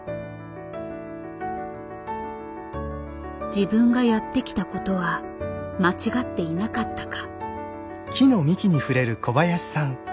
自分がやってきたことは間違っていなかったか。